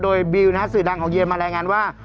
โดยบิวนะฮะสื่อดังของเยือนมารายงานว่า